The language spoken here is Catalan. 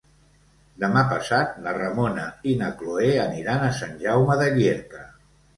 Demà passat na Ramona i na Cloè aniran a Sant Jaume de Llierca.